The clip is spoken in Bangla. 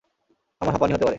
আমার হাঁপানি হতে পারে।